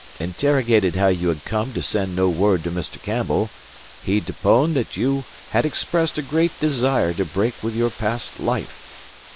Interrogated how you had come to send no word to Mr. Campbell, he deponed that you had expressed a great desire to break with your past life.